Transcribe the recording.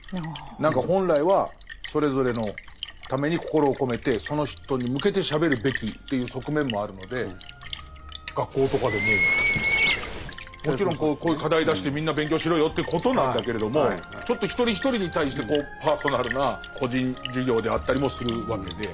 何か本来はそれぞれのために心を込めてその人に向けてしゃべるべきという側面もあるので学校とかでももちろんこういう課題出してみんな勉強しろよということなんだけれどもちょっと一人一人に対してパーソナルな個人授業であったりもするわけで。